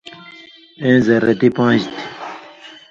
ایں زرتی پان٘ژ تھی: